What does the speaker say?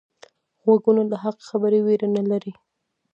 غوږونه له حق خبرې ویره نه لري